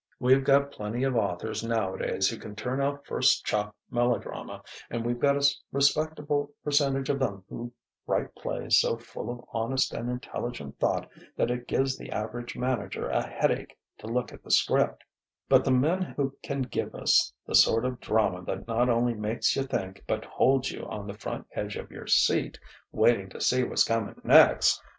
We've got plenty of authors nowadays who can turn out first chop melodrama, and we've got a respectable percentage of 'em who write plays so full of honest and intelligent thought that it gives the average manager a headache to look at the 'script; but the men who can give us the sort of drama that not only makes you think but holds you on the front edge of your seat waiting to see what's coming next....